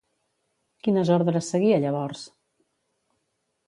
Quines ordres seguia llavors?